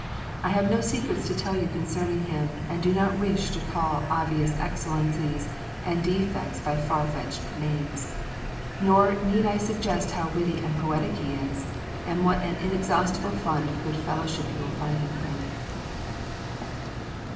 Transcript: I have no secrets to tell you concerning him, and do not wish to call obvious excellences and defects by far fetched names. Nor need I suggest how witty and poetic he is, and what an inexhaustible fund of good fellowship you will find in him."